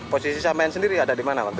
posisi sama yang sendiri ada di mana